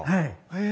はい。